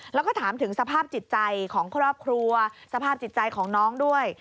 แล้วก็ถามถึงสภาพจิตใจของครอบครัวสภาพจิตใจของน้องด้วย